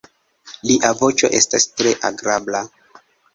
Lia voĉo estas tre agrabla.